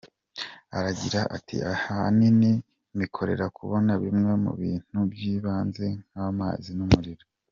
Aragira ati: “Ahanini mbikorera kubona bimwe mu bintu by’ibanze nk’amazi n’umuriro.